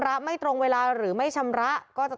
ร้อยละ๒๐ป่อย๒๔วันค่ะ